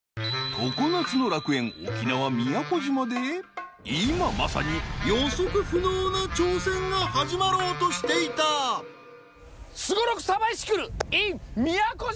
常夏の楽園沖縄・宮古島で今まさに予測不能な挑戦が始まろうとしていた「すごろくサバイシクルｉｎ宮古島」。